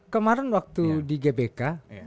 kemarin waktu di gbk